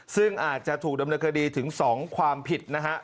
ซึ่งอาจจะถูกดำเนินคดีถึง๒ความผิดนะฮะ